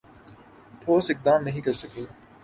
ٹھوس اقدام نہیں کرسکی